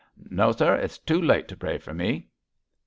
'No, sir; it's too late to pray for me.'